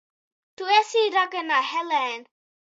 Tu esi ragana, Helēn!